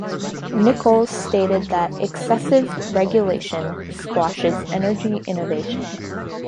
Nichols stated that "excessive regulation squashes" energy innovation.